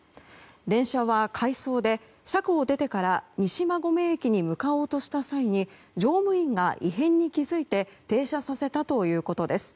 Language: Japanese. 電車は回送で、車庫を出てから西馬込駅に向かおうとした際に乗務員が異変に気付いて停車させたということです。